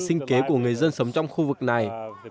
sinh kế của người dân sống trong khu vực này